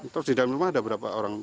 terus di dalam rumah ada berapa orang